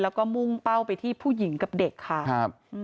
แล้วก็มุ่งเป้าไปที่ผู้หญิงกับเด็กค่ะครับ